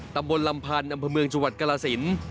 ตำบลลำพันธ์อำเภอเมืองจังหวัดกรสิน